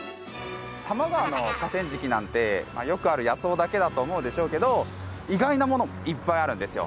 多摩川の河川敷なんてよくある野草だけだと思うでしょうけど意外なものがいっぱいあるんですよ。